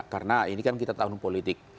karena ini kan kita tahun politik